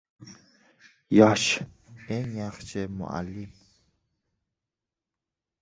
• Yosh — eng yaxshi muallim.